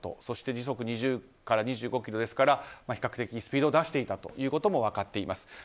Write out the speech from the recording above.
そして時速２０から２５キロですから比較的スピードを出していたということも分かっています。